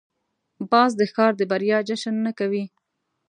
باز د ښکار د بریا جشن نه کوي